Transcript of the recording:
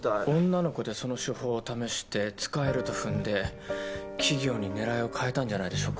女の子でその手法を試して使えると踏んで企業に狙いを変えたんじゃないでしょうか？